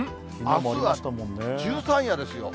あすは十三夜ですよ。